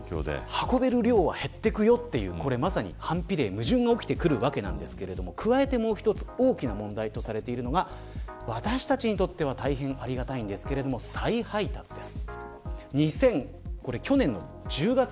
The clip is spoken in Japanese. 運べる量は減っていくよという反比例、矛盾が起きていくわけなんですけれど加えてもう一つ大きな問題とされているのが私たちにとっては大変ありがたいんですけれども再配達です。